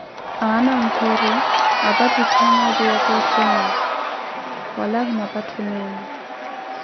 Aana anttoori apattikhanka a juwaka osomma, wala ahina patthe meeno.